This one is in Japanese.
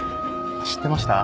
知ってました？